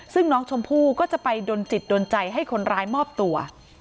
ซึ่งน้องชมพู่ก็จะไปดนจิตโดนใจให้คนร้ายมอบตัว